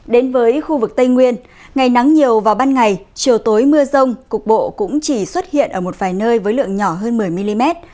đến với khu vực tây nguyên ngày nắng nhiều vào ban ngày chiều tối mưa rông cục bộ cũng chỉ xuất hiện ở một vài nơi với lượng nhỏ hơn một mươi mm